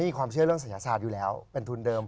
มีความเชื่อเรื่องศัยศาสตร์อยู่แล้วเป็นทุนเดิม